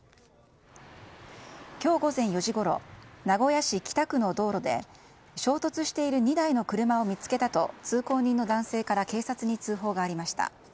今日午前４時ごろ名古屋市北区の道路で衝突している２台の車を見つけたと通行人の男性から警察に通報がありました。